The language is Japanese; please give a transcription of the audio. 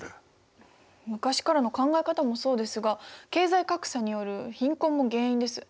昔からの考え方もそうですが経済格差による貧困も原因です。